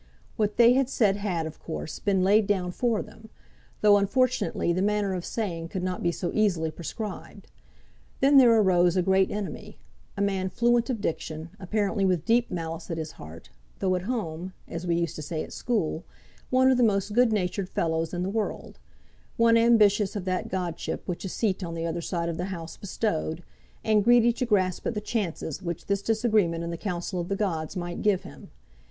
What they had said had, of course, been laid down for them; though, unfortunately, the manner of saying could not be so easily prescribed. Then there arose a great enemy, a man fluent of diction, apparently with deep malice at his heart, though at home, as we used to say at school, one of the most good natured fellows in the world; one ambitious of that godship which a seat on the other side of the House bestowed, and greedy to grasp at the chances which this disagreement in the councils of the gods might give him.